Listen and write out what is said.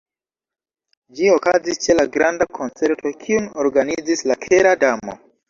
Ĝi okazis ĉe la granda koncerto kiun organizis la Kera Damo.